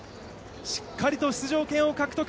しっかりと出場権を獲得。